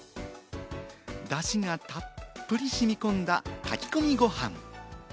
だしがたっぷりしみこんだ炊き込みご飯。